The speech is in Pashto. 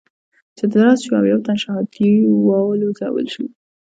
چې درز شو او يو تن شهادي والوزول شو.